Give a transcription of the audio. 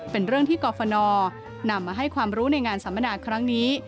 เป็นเรื่องที่กรฟนนำมาให้ความรู้ในงานสัมมนาครั้งนี้